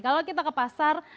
kalau kita ke pasar